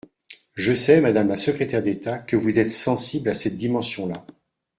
Je sais, madame la secrétaire d’État, que vous êtes sensible à cette dimension-là.